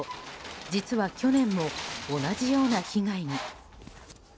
実は、去年も同じような被害に。